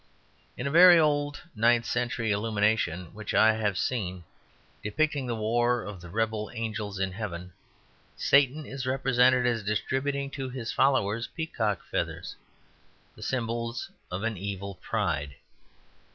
In a very old ninth century illumination which I have seen, depicting the war of the rebel angels in heaven, Satan is represented as distributing to his followers peacock feathers the symbols of an evil pride.